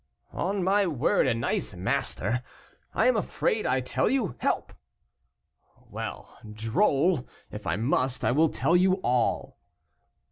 "On my word, a nice master. I am afraid, I tell you. Help!" "Well, drôle, if I must, I will tell you all."